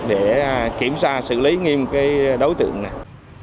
để kiểm soát xử lý nghiêm đối tượng này